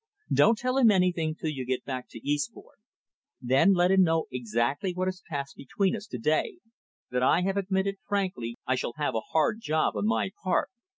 Don't tell him anything till you get back to Eastbourne. Then let him know exactly what has passed between us to day, that I have admitted frankly I shall have a hard job on my part.